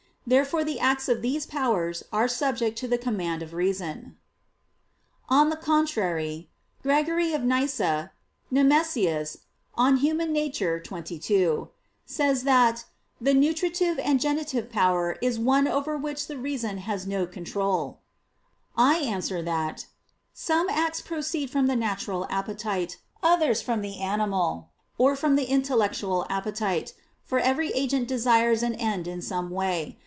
Therefore the acts of these powers are subject to the command of reason. On the contrary, Gregory of Nyssa [*Nemesius, De Nat. Hom. xxii.] says that "the nutritive and generative power is one over which the reason has no control." I answer that, Some acts proceed from the natural appetite, others from the animal, or from the intellectual appetite: for every agent desires an end in some way.